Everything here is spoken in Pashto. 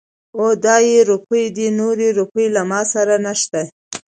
او دا يې روپۍ دي. نورې روپۍ له ما سره نشته.